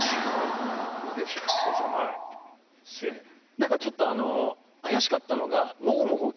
何かちょっと怪しかったのが。